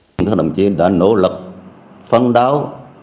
các đồng chí đã nỗ lực phân đáo